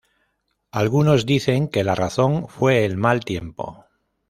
Algunos dicen que la razón fue el mal tiempo.